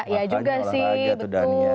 ya juga sih betul